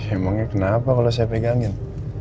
emangnya kenapa kalau saya pegangin